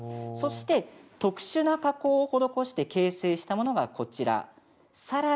そして、特殊な加工を施して形成したものがこちらです。